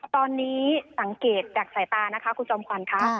ตอนนี้สังเกตจากสายตานะคะคุณจอมขวัญค่ะ